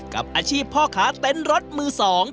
กับอาชีพพ่อค้าเต้นรถมือสอง